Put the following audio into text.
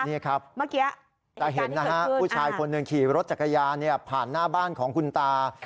นี่ครับเมื่อกี้จะเห็นนะฮะผู้ชายคนหนึ่งขี่รถจักรยานผ่านหน้าบ้านของคุณตา